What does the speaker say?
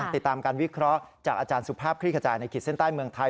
ติดตามการวิเคราะห์จากอาจารย์สุภาพคลี่ขจายในขีดเส้นใต้เมืองไทย